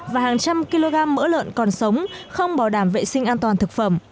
và hàng trăm kg mỡ lợn còn sống không bảo đảm vệ sinh an toàn thực phẩm